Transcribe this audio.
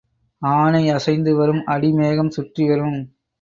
ஆனை அசைந்து வரும் அடி மேகம் சுற்றி வரும்.